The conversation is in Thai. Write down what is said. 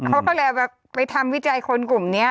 เขาก็เลยเอาไปทำวิจัยคนกลุ่มนี้